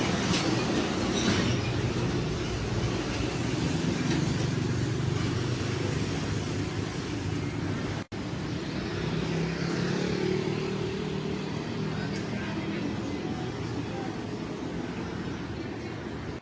พี่เขอบสติไปมาทั้งทีนะ